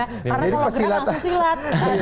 karena kalau kenal langsung silat